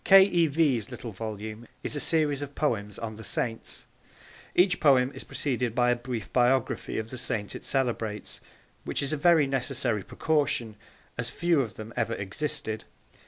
K. E. V.'s little volume is a series of poems on the Saints. Each poem is preceded by a brief biography of the Saint it celebrates which is a very necessary precaution, as few of them ever existed.